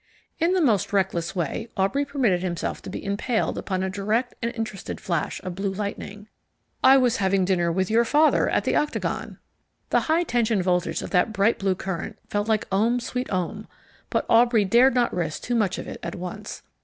In the most reckless way, Aubrey permitted himself to be impaled upon a direct and interested flash of blue lightning. "I was having dinner with your father at the Octagon." The high tension voltage of that bright blue current felt like ohm sweet ohm, but Aubrey dared not risk too much of it at once.